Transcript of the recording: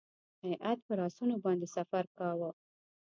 هیات پر آسونو باندې سفر کاوه.